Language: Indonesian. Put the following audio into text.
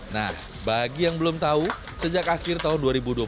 nah bagi yang belum tahu sejak akhir tahun dua ribu dua puluh satu